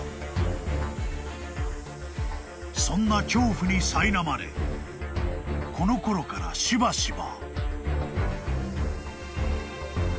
［そんな恐怖にさいなまれこの頃からしばしば］